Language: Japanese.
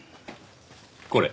これ。